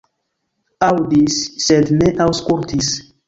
Aŭdis, sed ne aŭskultis.